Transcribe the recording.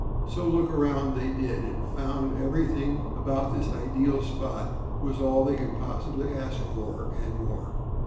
So look around they did and found that every thing about this ideal spot was all they could possibly ask for and more.